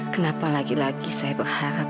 kenapa lagi lagi saya paham